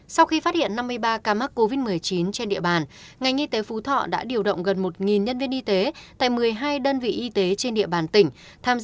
sau khi phát hiện năm mươi ba ca mắc covid một mươi chín trên địa bàn ngành y tế phú thọ đã điều động gần một nhân viên y tế tại một mươi hai đơn vị y tế trên địa bàn tỉnh